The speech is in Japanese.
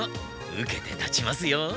受けて立ちますよ。